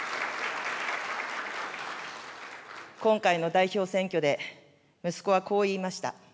今回の代表選挙で息子はこう言いました。